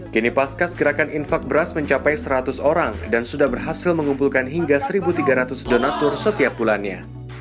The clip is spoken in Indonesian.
kini paskas gerakan infak beras mencapai seratus orang dan sudah berhasil mengumpulkan hingga satu tiga ratus donatur setiap bulannya